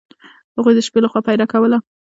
هغوی د شپې له خوا پیره کوله.